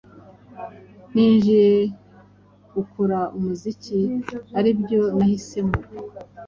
Ninjiye ukora umuziki aribyo nahisemo